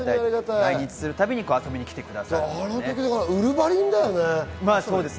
来日するたびに遊びに来てくださいます。